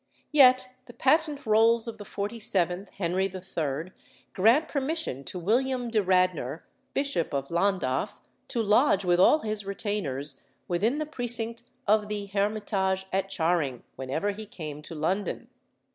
Yet the patent rolls of the 47th Henry III. grant permission to William de Radnor, Bishop of Llandaff, to lodge, with all his retainers, within the precinct of the Hermitage at Charing, whenever he came to London.